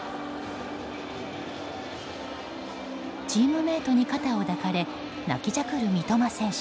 チームメートに肩を抱かれ泣きじゃくる三笘選手。